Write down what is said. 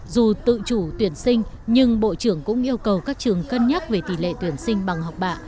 dù tự chủ tuyển sinh nhưng bộ trưởng cũng yêu cầu các trường cân nhắc về tỷ lệ tuyển sinh bằng học bạ